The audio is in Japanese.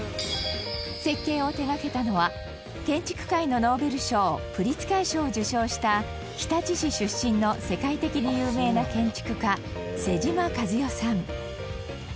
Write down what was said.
設計を手がけたのは建築界のノーベル賞プリツカー賞を受賞した日立市出身の世界的に有名な建築家妹島和世さん